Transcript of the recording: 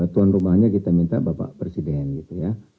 tuan rumahnya kita minta bapak presiden gitu ya